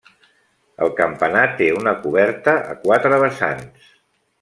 El campanar té una coberta a quatre vessants.